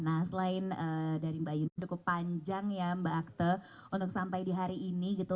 nah selain dari mbak yuni cukup panjang ya mbak akte untuk sampai di hari ini gitu